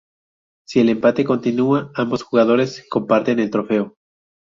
Si el empate continúa ambos jugadores comparten el trofeo.